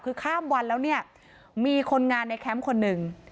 คือข้ามวันแล้วเนี่ยมีคนงานในแคมป์คนหนึ่ง